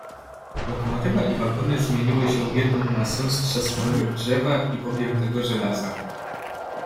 "Lokomotywa i wagony zmieniły się w jedną masę strzaskanego drzewa i pogiętego żelaza."